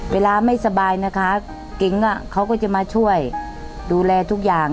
เวลาไม่สบายนะคะกิ๊งเขาก็จะมาช่วยดูแลทุกอย่าง